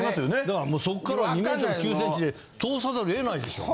だからそっから２ｍ９ｃｍで通さざるを得ないでしょ。